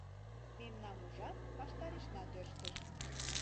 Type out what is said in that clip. Мемнам ужат — ваштарешна тӧрштыш.